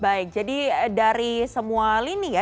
baik jadi dari semua lini ya